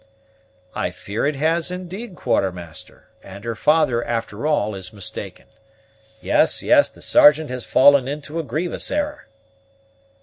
"I fear it has indeed, Quartermaster, and her father, after all, is mistaken. Yes, yes; the Sergeant has fallen into a grievous error."